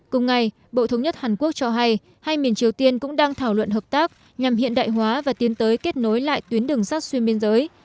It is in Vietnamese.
cùng ngày bộ thống nhất hàn quốc cho hay hai miền triều tiên cũng đang thảo luận hợp tác nhằm hiện đại hóa và tiến tới kết nối lại tuyến đường sắt xuyên biên giới